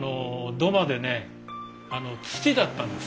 土間でね土だったんです。